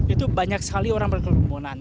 itu banyak sekali orang berkerumunan